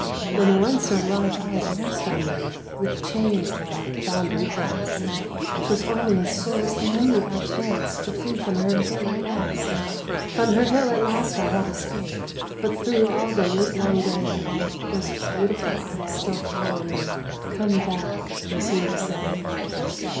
"When once her large eyes rest on thee, With chains thou art bounden fast; 'Twas only in sorest need I chanced To flee from her hill at last. "From her hill at last I have escaped, But through all the livelong day, Those beautiful eyes still follow me. 'Come back!' they seem to say.